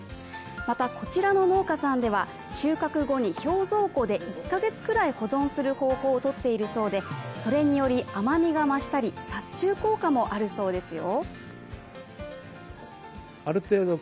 またこちらの農家さんでは収穫後に氷蔵庫で保存する方法をとっているそうでそれにより甘みが増したり、殺虫効果もあるそうですよ。